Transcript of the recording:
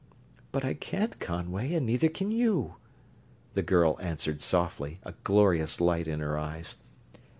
"But I can't Conway, and neither can you," the girl answered softly, a glorious light in her eyes.